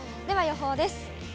では予報です。